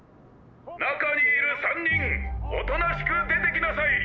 「中にいる３人おとなしく出てきなさい！